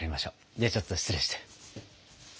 ではちょっと失礼して。